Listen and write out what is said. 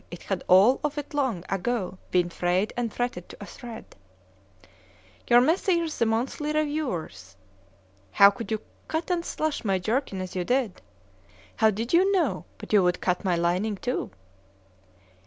it had all of it long ago been frayed and fretted to a thread. ——You Messrs. the Monthly Reviewers!——how could you cut and slash my jerkin as you did?——how did you know but you would cut my lining too?